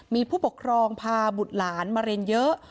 มีผู้ปกครองพาบุตรหลานมาเรียนเยอะ